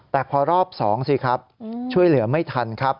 แต่พอรอบ๒ช่วยเหลือไม่ทัน